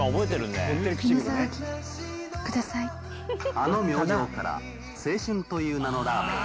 あの明星から青春という名のラーメン。